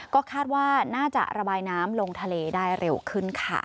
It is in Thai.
ก็คาดว่าน่าจะระบายน้ำลงทะเลได้เร็วขึ้นค่ะ